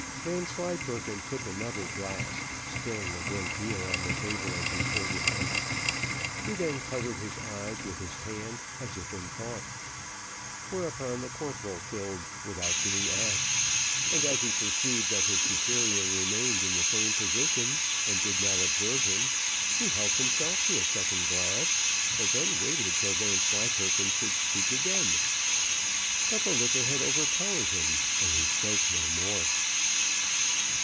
Vanslyperken took another glass spilling a great deal on the table as he poured it out; he then covered his eyes with his hand, as if in thought. Thereupon the corporal filled without being asked, and, as he perceived that his superior remained in the same position, and did not observe him, he helped himself to a second glass, and then waited till Vanslyperken should speak again; but the liquor had overpowered him, and he spoke no more.